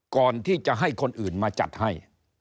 ก่อนที่จะให้คนอื่นมาจัดให้